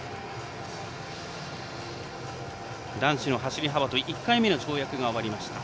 男子の走り幅跳び１回目の跳躍が終わりました。